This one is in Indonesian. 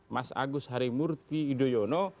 mas agus harimurti idhoyono